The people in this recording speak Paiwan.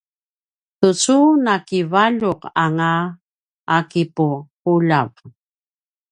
tucu nakivaljuq anga a kipuquljav